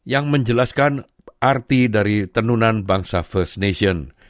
yang menjelaskan arti dari tenunan bangsa first nation